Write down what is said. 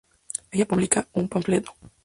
ella publica un panfleto